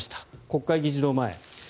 国会議事堂前